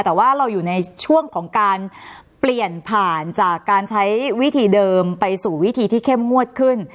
แต่ว่าเราอยู่ในช่วงของการเปลี่ยนผ่านจากการใช้วิธีเดิมไปสู่วิธีที่เข้มงวดขึ้น